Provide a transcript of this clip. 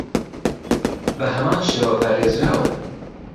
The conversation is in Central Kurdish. بەهەمان شێوە پارێزراون